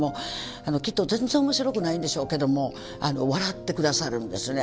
きっと全然面白くないんでしょうけども笑って下さるんですね。